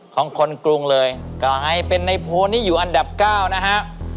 ของคนกรุงเลยกลายเป็นในโพลนี้อยู่อันดับเก้านะฮะ